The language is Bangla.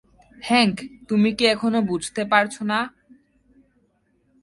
হ্যাংক, তুমি কি এখনো বুঝতে পারছো না?